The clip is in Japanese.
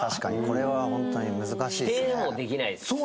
これは本当に難しいですね。